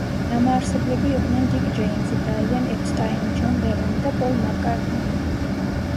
დამაარსებლები იყვნენ დიკ ჯეიმზი, ბრაიან ეპსტაინი, ჯონ ლენონი და პოლ მაკ-კარტნი.